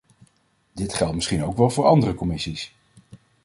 Dit geldt misschien ook wel voor andere commissies.